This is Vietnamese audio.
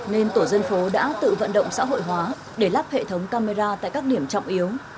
nên tổ dân phố đã tự vận động xã hội hóa để lắp hệ thống camera tại các điểm trọng yếu